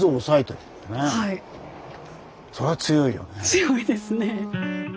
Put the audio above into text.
強いですね。